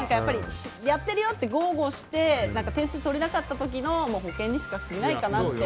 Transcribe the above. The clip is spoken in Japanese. やってるよって豪語して点数取れなかった時の保険にしかすぎないなって。